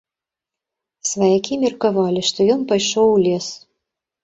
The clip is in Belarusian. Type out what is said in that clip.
Сваякі меркавалі, што ён пайшоў у лес.